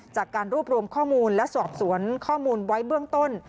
จากการรวบรวมข้อมูลและสอบสวนข้อมูลไว้เบื้องต้น